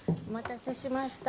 お待たせしました。